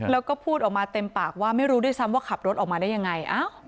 แล้วก็พูดออกมาเต็มปากว่าไม่รู้ด้วยซ้ำว่าขับรถออกมาได้ยังไง